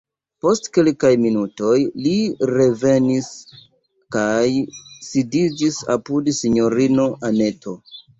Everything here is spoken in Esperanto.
Post kelkaj minutoj li revenis kaj sidiĝis apud sinjorino Anneto.